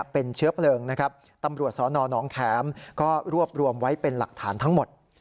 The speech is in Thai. เป็นเชื้อเพลิงนะครับตำรวจสนน้องแข็มก็รวบรวมไว้เป็นหลักฐานทั้งหมด